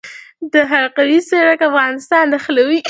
د حلقوي سړک افغانستان نښلوي